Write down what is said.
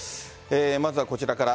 まずはこちらから。